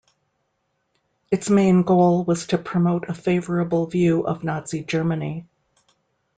Its main goal was to promote a favorable view of Nazi Germany.